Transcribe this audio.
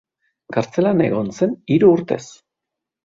Kartzelan egon zen hiru urtez.